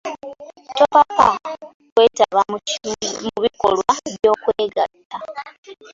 Topapa kwetaba mu bikolwa byo'kwegatta.